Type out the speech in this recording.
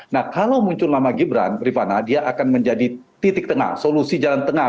nah kalau muncul nama gibran rifana dia akan menjadi titik tengah solusi jalan tengah